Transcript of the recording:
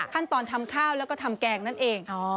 ขั้นตอนทำข้าวแล้วก็ทำแกงนั่นเอง